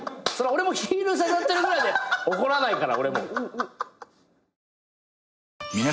俺もヒールささってるぐらいで怒らないから。